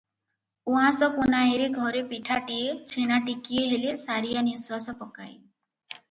ଉଆଁସ ପୁନାଇରେ ଘରେ ପିଠାଟିଏ, ଛେନାଟିକିଏ ହେଲେ ସାରିଆ ନିଃଶ୍ୱାସ ପକାଏ ।